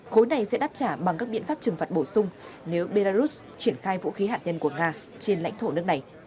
khối này sẽ đáp trả bằng các biện pháp trừng phạt bổ sung nếu belarus triển khai vũ khí hạt nhân của nga trên lãnh thổ nước này